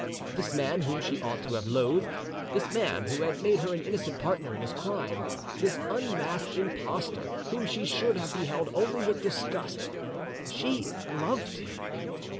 This man whom she ought to have loathed, this man who had made her an innocent partner in his crime, this unmasked impostor whom she should have beheld only with disgust, she loved him!